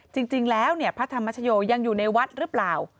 จริงแล้วพระธรรมชโยยังอยู่ในวัดหรือเปล่า